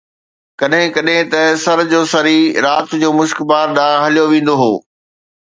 ڪڏهن ڪڏهن ته سُر جو سري رات جو مشڪبار ڏانهن هليو ويندو هو